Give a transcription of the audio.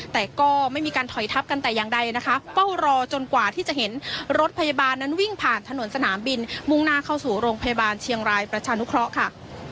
แต่ก็ไม่มีการถอยทับกันแต่อย่างใดนะคะเฝ้ารอจนกว่าที่จะเห็นรถพยาบาลนั้นวิ่งผ่านถนนสนามบินมุ่งหน้าเข้าสู่โรงพยาบาลเชียงรายประชานุเคราะห์ค่ะ